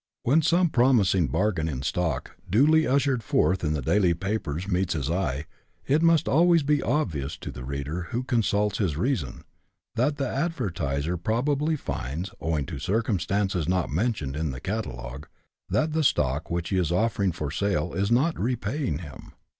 When some promising bargain in stock, duly ushered forth in the daily papers, meets his eye, it must always be obvious to the reader who consults his reason, that the advertiser probably finds, owing to circumstances not mentioned in the catalogue, that the stock which he is offering for sale is not repaying him.